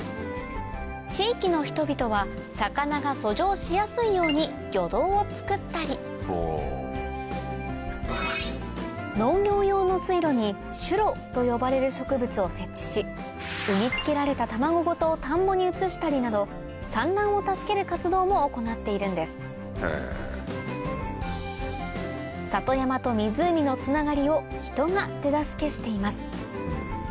地域の人々は魚が遡上しやすいように魚道を造ったり農業用の水路にシュロと呼ばれる植物を設置し産み付けられた卵ごと田んぼに移したりなど産卵を助ける活動も行っているんです里山と湖のつながりを人が手助けしています